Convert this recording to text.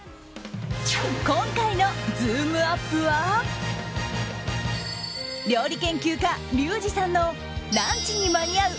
今回のズームＵＰ！は料理研究家リュウジさんのランチに間に合う！